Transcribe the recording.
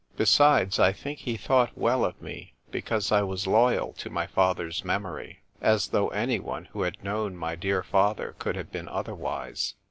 Besides, I think he thought well of me because I was loyal to my father's memory. 146 THE TYPE WRITER GIRL. As though anyone who had known my dear father could have been otherwise